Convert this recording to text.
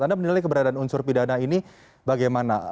anda menilai keberadaan unsur pidana ini bagaimana